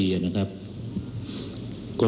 การยนต์บุรีนะครับ